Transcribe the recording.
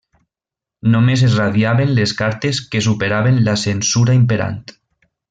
Només es radiaven les cartes que superaven la censura imperant.